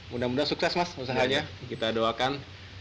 mudah mudahan sukses mas usahanya kita doakan